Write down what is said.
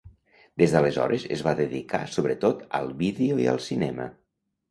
Des d'aleshores, es va dedicar sobretot al vídeo i al cinema.